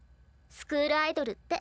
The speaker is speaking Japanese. スクールアイドルって。